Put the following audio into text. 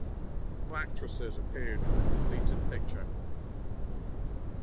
No actresses appeared in the completed picture.